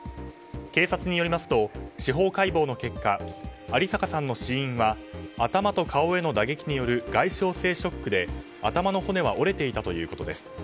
警察によりますと司法解剖の結果有坂さんの死因は頭と顔への打撃による外傷性ショックで頭の骨は折れていたということです。